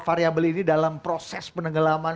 variable ini dalam proses penenggelaman